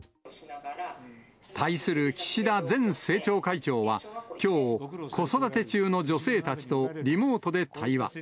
対する岸田前政調会長は、きょう、子育て中の女性たちとリモートで対話。